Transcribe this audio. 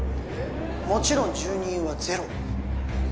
もちろん住人はゼロ